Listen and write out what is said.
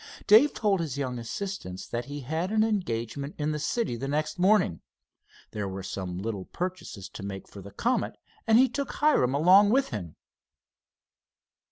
Dave told his young assistants that he had an engagement in the city the next morning. There were some little purchases to make for the Comet, and he took Hiram along with him.